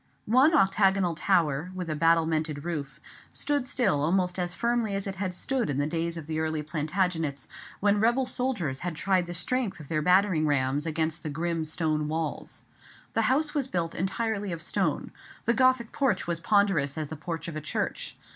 One octagonal tower, with a battlemented roof, still stood almost as firmly as it had stood in the days of the early Plantagenets, when rebel soldiers had tried the strength of their battering rams against the grim stone walls. The house was built entirely of stone; the Gothic porch was ponderous as the porch of a church.